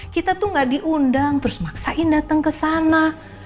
kita tuh gak diundang terus maksain dateng kesana